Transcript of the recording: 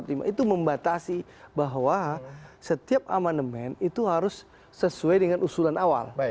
itu membatasi bahwa setiap amandemen itu harus sesuai dengan usulan awal